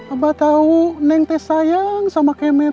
abah tau neng teh sayang sama kemet